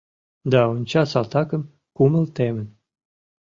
Да онча салтакым, кумыл темын.